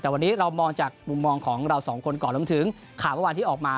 แต่วันนี้เรามองจากมุมมองของเราสองคนก่อนรวมถึงข่าวเมื่อวานที่ออกมา